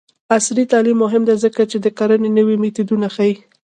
عصري تعلیم مهم دی ځکه چې د کرنې نوې میتودونه ښيي.